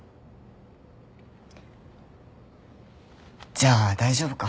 じゃあ大丈夫か。